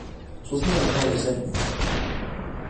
昨天午後雷陣雨